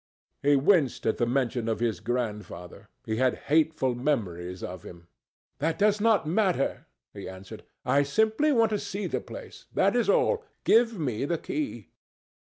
He winced at the mention of his grandfather. He had hateful memories of him. "That does not matter," he answered. "I simply want to see the place—that is all. Give me the key."